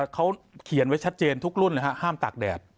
เขาเขียนไว้ชัดเจนทุกรุ่นห้ามตากแดด